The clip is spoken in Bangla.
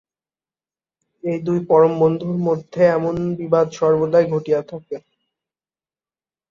এই দুই পরম বন্ধুর মধ্যে এমন বিবাদ সর্বদাই ঘটিয়া থাকে।